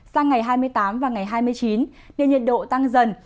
sang ngày hai mươi tám và ngày hai mươi chín nền nhiệt độ tăng dần